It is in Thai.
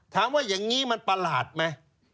ถามว่าอย่างนี้มันประหลาดไหม